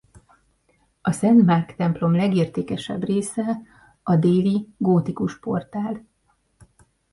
A Szent Márk templom legértékesebb része a déli gótikus portál.